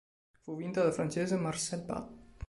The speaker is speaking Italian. Fu vinta dal francese Marcel Bat.